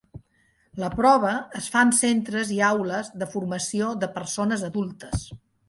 La prova es fa en centres i aules de formació de persones adultes.